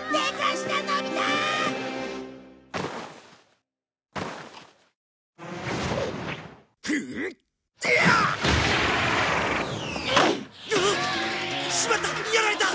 しまったやられた！